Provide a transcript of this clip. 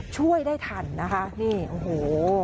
ช่วยได้ทันนะคะนี่โอ้โห